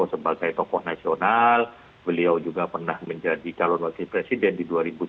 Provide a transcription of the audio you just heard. sebagai tokoh nasional beliau juga pernah menjadi calon wakil presiden di dua ribu dua puluh